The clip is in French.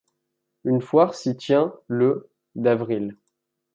Une foire s'y tient le d'avril.